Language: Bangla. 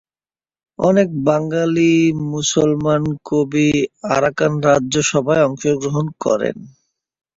অনেক বাঙালি মুসলমান কবি আরাকান রাজসভায় অংশগ্রহণ করেন।